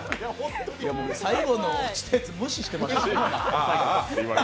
最後の落ちたやつ、無視してましたもんね。